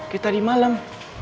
kita di malem